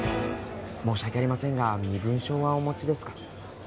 申し訳ありませんが身分証はお持ちですか？